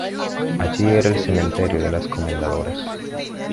allí era el cementerio de las Comendadoras.